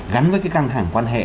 gắn với căng thẳng quan hệ